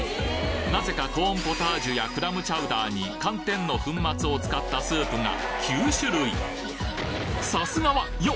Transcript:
なぜかコーンポタージュやクラムチャウダーに寒天の粉末を使ったスープが９種類さすがはよっ！